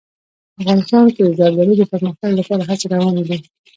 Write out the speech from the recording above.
افغانستان کې د زردالو د پرمختګ لپاره هڅې روانې دي.